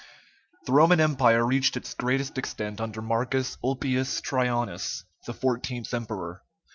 ] The Roman Empire reached its greatest extent under Marcus Ulpius Traianus, the fourteenth emperor.